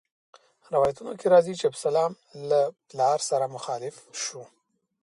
روایتونو کې راځي چې ابسلام له پلار سره مخالف شو.